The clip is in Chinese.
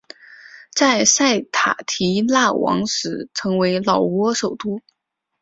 在塞塔提腊王时成为老挝首都。